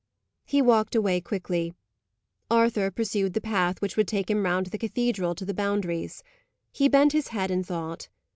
He walked away quickly. Arthur pursued the path which would take him round the cathedral to the Boundaries. He bent his head in thought.